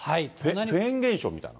フェーン現象みたいな？